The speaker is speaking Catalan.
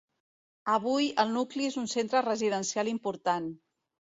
Avui, el nucli és un centre residencial important.